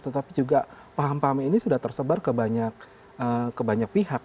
tetapi juga paham paham ini sudah tersebar ke banyak pihak